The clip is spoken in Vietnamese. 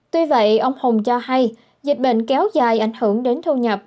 tuy vậy ông hùng cho hay dịch bệnh kéo dài ảnh hưởng đến thu nhập